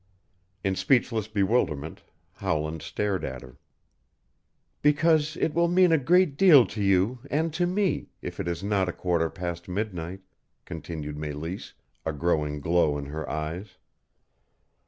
In speechless bewilderment Howland stared at her. "Because it will mean a great deal to you and to me if it is not a quarter past midnight," continued Meleese, a growing glow in her eyes.